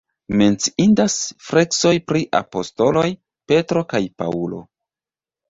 Menciindas freskoj pri apostoloj Petro kaj Paŭlo.